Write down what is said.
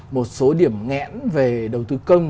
một số điểm nghẽn về đầu tư công